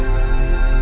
ya udah deh